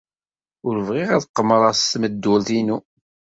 Ur bɣiɣ ad qemmreɣ s tmeddurt-inu.